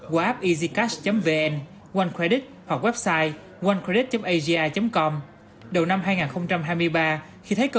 qua app easycash vn onecredit hoặc website onecredit agi com đầu năm hai nghìn hai mươi ba khi thấy cơ